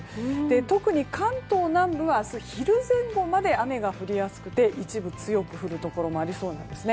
特に関東南部は明日昼前後まで雨が降りやすくて一部、強く降るところもありそうです。